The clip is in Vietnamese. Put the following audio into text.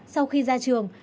sau khi ra trường